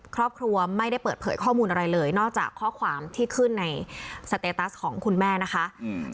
ครอบครัวไม่ได้เปิดเผยข้อมูลอะไรเลยนอกจากข้อความที่ขึ้นในสเตตัสของคุณแม่นะคะอืม